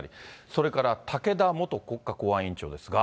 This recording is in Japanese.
それから武田元国家公安委員長ですが。